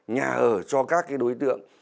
nhà ở cho các cái đối tượng